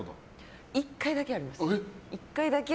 １回だけあります。